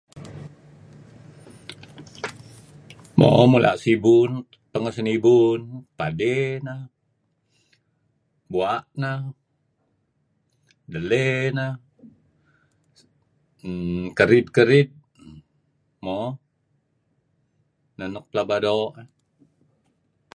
Mo mulah sibu[um]pangah sanibu[um]padey nah, buah nah, daley nah[sh][um]karid karid[um]mo nah nuk pelaba do